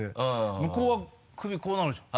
向こうは首こうなるじゃん。